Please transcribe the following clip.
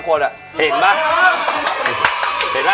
เห็นป่ะคุณบอกแล้ว